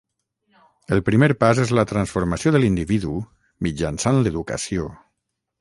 El primer pas és la transformació de l'individu mitjançant l'educació.